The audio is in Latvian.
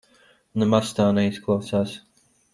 Nemaz tā neizklausās.